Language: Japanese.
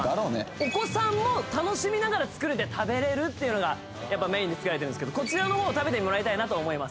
お子さんも楽しみながら作れて食べれるっていうのがやっぱメインで作られてるんですけどこちらの方食べてもらいたいなと思います